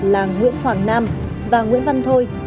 là nguyễn hoàng nam và nguyễn văn thôi